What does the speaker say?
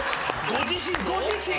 ご自身。